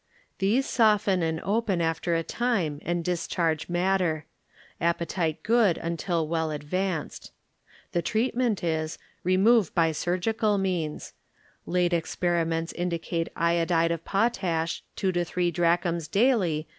These soften and open after a time and discharge matter; appetite good until well advanced. The treatment is, re move by surgical means ; late experi ments indicate iodide of potash two to three drachms daily to be a cure.